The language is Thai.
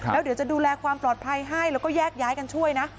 แล้วเดี๋ยวจะดูแลความปลอดภัยให้แล้วก็แยกย้ายกันช่วยนะ